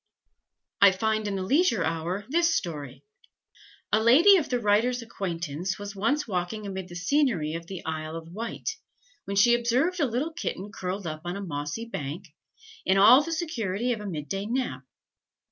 I find in the Leisure Hour this story: "A lady of the writer's acquaintance was once walking amid the scenery of the Isle of Wight, when she observed a little kitten curled up on a mossy bank, in all the security of a mid day nap.